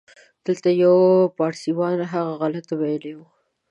دلته یو پاړسیوان و، هغه غلطه ویلې وه.